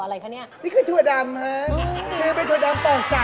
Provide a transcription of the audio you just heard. อ่า